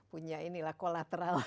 punya ini lah kolateral